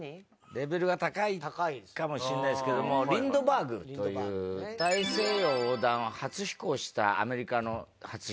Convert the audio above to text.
レベルが高いかもしれないですけどもリンドバーグという大西洋横断初飛行したアメリカの飛行士がいるんですよ。